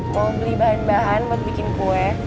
mau beli bahan bahan buat bikin kue